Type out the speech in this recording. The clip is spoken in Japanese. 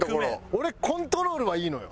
俺コントロールはいいのよ。